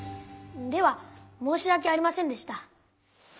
ではもうしわけありませんでした。